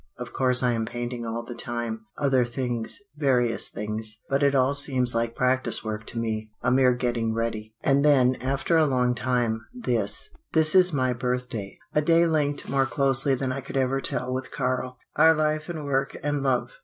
Of course I am painting all the time other things various things. But it all seems like practice work to me a mere getting ready." And then, after a long time, this: "This is my birthday; a day linked more closely than I could ever tell with Karl, our life and work and love.